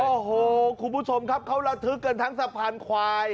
โอ้โหคุณผู้ชมครับเขาระทึกกันทั้งสะพานควาย